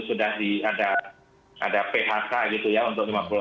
sudah ada phk gitu ya untuk lima puluh enam